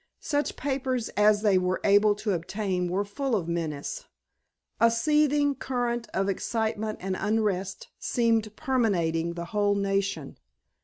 Such papers as they were able to obtain were full of menace. A seething current of excitement and unrest seemed permeating the whole nation.